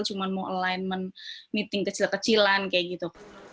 cuma mau alignment meeting kecil kecilan kayak gitu